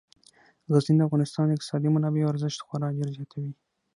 غزني د افغانستان د اقتصادي منابعو ارزښت خورا ډیر زیاتوي.